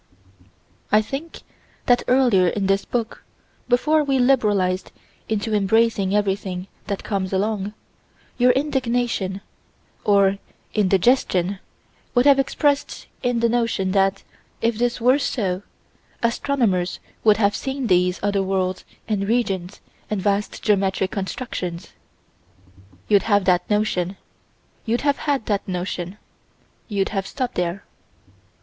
I think that earlier in this book, before we liberalized into embracing everything that comes along, your indignation, or indigestion would have expressed in the notion that, if this were so, astronomers would have seen these other worlds and regions and vast geometric constructions. You'd have had that notion: you'd have stopped there.